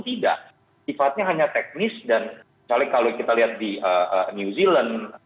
tidak sifatnya hanya teknis dan misalnya kalau kita lihat di new zealand